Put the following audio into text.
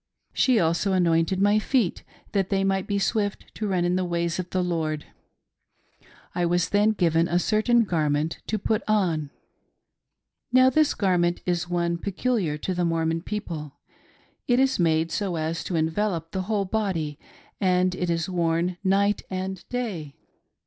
She also anointed my feet, that they might be swift' to run in the ways of the Lord. I was then given a certain garment to put on. :;. Now this garment is one peculiar to the Mormon people; It is made so as to envelop the whole body and it is worn night and day.